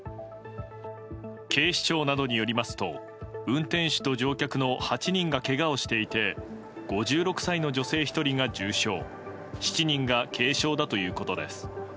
警視庁などによりますと運転手と乗客の８人がけがをしていて５６歳の女性１人が重傷７人が軽傷だということです。